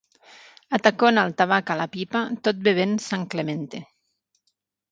Atacona el tabac a la pipa tot bevent Sanclemente.